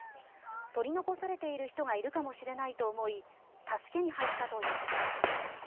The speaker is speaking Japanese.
取り残されている人がいるかもしれないと思い助けに入ったということです。